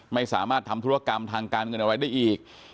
ไม่สามารถทำธุรกรรมทางการเงินอะไรได้อีก